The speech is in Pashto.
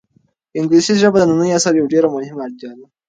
انګلیسي ژبه د ننني عصر یوه ډېره مهمه اړتیا ده.